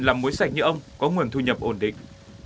làm muối sạch như ông có nguồn thu nhập ổn định